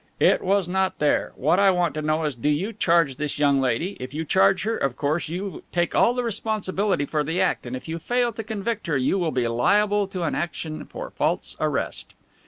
"It was not there. What I want to know is, do you charge this young lady? If you charge her, of course you take all the responsibility for the act, and if you fail to convict her you will be liable to an action for false arrest."